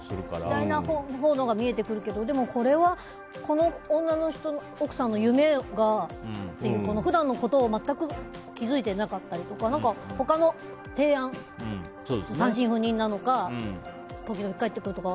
嫌いなところが見えてくるけどでもこれはこの女の人、奥さんの夢が普段のことを全く気付いていなかったりとか他の提案、単身赴任なのか時々帰ってくるとか。